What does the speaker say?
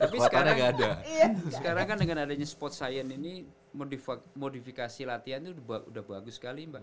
tapi sekarang kan dengan adanya sport science ini modifikasi latihan itu udah bagus sekali mbak